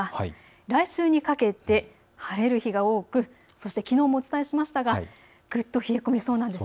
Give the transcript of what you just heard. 来週にかけて晴れる日が多くきのうもお伝えしましたがぐっと冷え込みそうです。